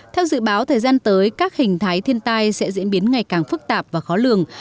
theo dự báo thời gian tới các hình thái thiên tai sẽ diễn biến ngày càng phức tạp và khó lường